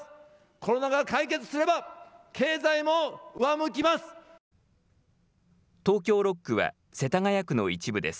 コロナが解決すれば経済も上向きます。